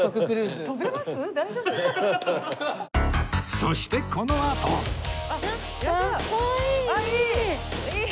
そしてこのあとあっいい！いい！